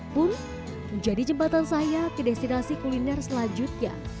pun menjadi jembatan saya ke destinasi kuliner selanjutnya